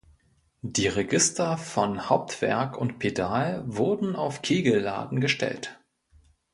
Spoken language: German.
Die Register von Hauptwerk und Pedal wurden auf Kegelladen gestellt.